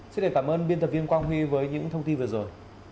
xin cảm ơn biên tập viên quang huy với những thông tin vừa rồi